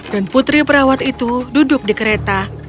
dan putri perawat itu duduk di kereta